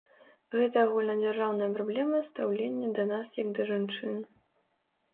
Гэта агульнадзяржаўная праблема стаўлення да нас як да жанчын.